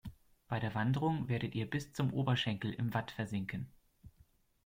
Bei der Wanderung werdet ihr bis zum Oberschenkel im Watt versinken.